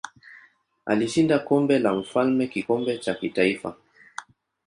Alishinda Kombe la Mfalme kikombe cha kitaifa.